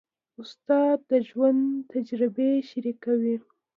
استاد د ژوند تجربې شریکوي.